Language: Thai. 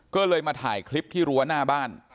ก็เลยมาถ่ายคลิปที่รั้วหน้าบ้าน